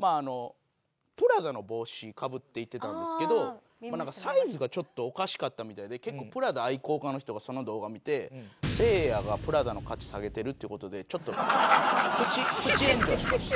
ＰＲＡＤＡの帽子かぶって行ってたんですけどなんかサイズがちょっとおかしかったみたいで結構プラダ愛好家の人がその動画を見て「せいやがプラダの価値下げてる」って事でちょっとプチ炎上しまして。